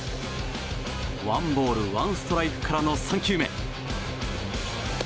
ワンボールワンストライクからの３球目。